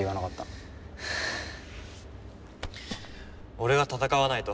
俺が戦わないと。